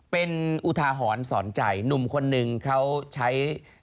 เป็นอุทาหรณ์สอนใจหนุ่มคนหนึ่งเขาใช้